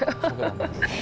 terima kasih tante